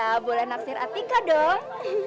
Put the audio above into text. ya boleh nafsir atika dong